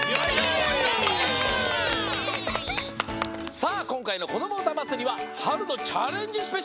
さあこんかいの「こどもうたまつり」は「春のチャレンジ！スペシャル」だよ。